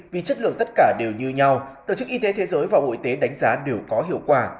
vì chất lượng tất cả đều như nhau tổ chức y tế thế giới và bộ y tế đánh giá đều có hiệu quả